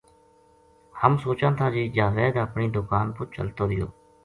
ہم سوچاں تھا جے جاوید اپنی دُکا ن پو چلتو رہیو۔